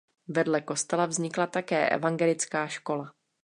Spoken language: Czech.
Vedle kostela vznikla také evangelická škola.